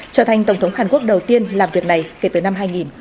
trở thành tổng thống hàn quốc đầu tiên làm việc này kể từ năm hai nghìn một mươi